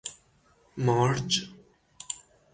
مارج